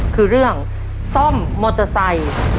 คือเรื่องซ่อมมอเตอร์ไซค์